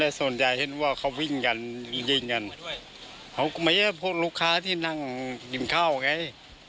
แต่ส่วนใหญ่เห็นว่าเขาวิ่งกันยิงกันเขาก็ไม่ใช่พวกลูกค้าที่นั่งกินข้าวไง